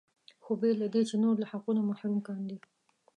خو بې له دې چې نور له حقونو محروم کاندي.